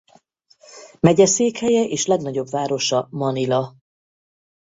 Megyeszékhelye és legnagyobb városa Manila.